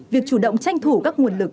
việc chủ động tranh thủ các nguồn lực